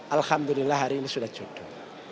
alhamdulillah hari ini sudah jodoh